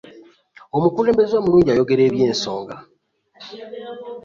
omukulembeze omulungi ayogeera ebyensonga